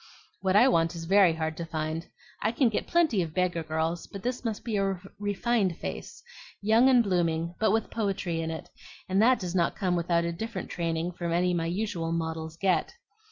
"What I want is very hard to find. I can get plenty of beggar girls, but this must be a refined face, young and blooming, but with poetry in it; and that does not come without a different training from any my usual models get.